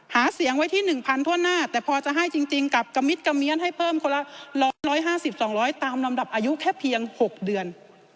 หาเสียงไว้ที่๑๐๐ทั่วหน้าแต่พอจะให้จริงกับกะมิดกระเมียนให้เพิ่มคนละ๑๕๒๐๐ตามลำดับอายุแค่เพียง๖เดือน